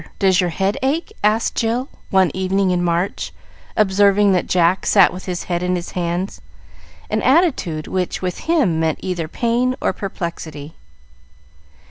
Does your head ache?" asked Jill, one evening in March, observing that Jack sat with his head in his hands, an attitude which, with him, meant either pain or perplexity.